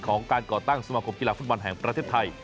ของการก่อตั้งสมาคมกีฬาฟุตบอลแห่งประเทศไทย